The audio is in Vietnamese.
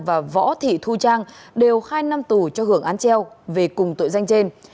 và võ thị thu trang đều hai năm tù cho hưởng án treo về cùng tội danh trên